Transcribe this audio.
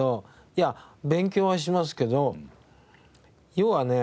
いや勉強はしますけど要はね